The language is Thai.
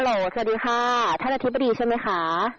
สวัสดีค่ะท่านอธิบดีใช่ไหมคะ